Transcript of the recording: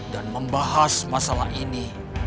dan membahas masalah ini